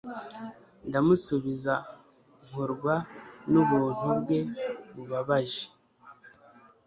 Ndamusubiza nkorwa nubuntu bwe bubabaje